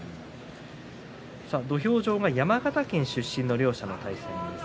土俵上が山形県出身の両者の対戦です。